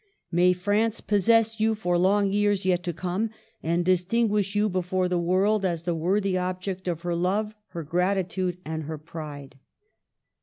May France possess you for long years yet to come, and distinguish you be fore the world as the worthy object of her love, her gratitude and her pride."